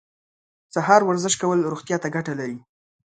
سهار ورزش کول روغتیا ته ګټه لري.